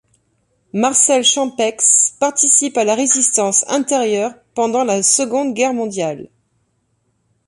Marcel Champeix participe à la Résistance intérieure pendant la Seconde Guerre mondiale.